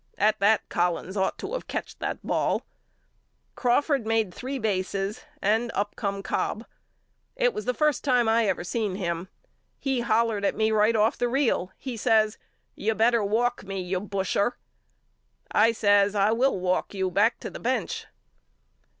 At that Collins ought to of catched the ball. Crawford made three bases and up come Cobb. It was the first time I ever seen him. He hollered at me right off the reel. He says You better walk me you busher. I says I will walk you back to the bench.